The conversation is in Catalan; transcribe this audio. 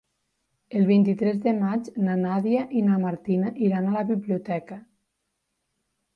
El vint-i-tres de maig na Nàdia i na Martina iran a la biblioteca.